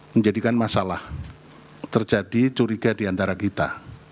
menjadikan masalah terjadi curiga di antara kita